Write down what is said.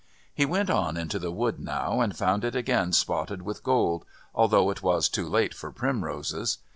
He went on into the wood now and found it again spotted with gold, although it was too late for primroses.